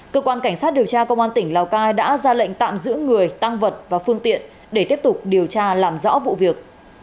cơ quan cảnh sát điều tra công an tỉnh lào cai đã ra lệnh tạm giữ người tăng vật và phương tiện để tiếp tục điều tra làm rõ vụ việc